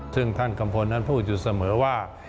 ซึ่งท่านกัมพลนั้นพูดอยู่เสมอว่า